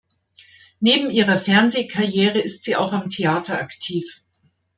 Neben ihrer Fernsehkarriere ist sie auch am Theater aktiv.